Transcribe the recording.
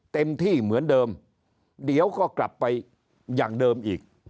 เต็มที่เหมือนเดิมเดี๋ยวก็กลับไปอย่างเดิมอีก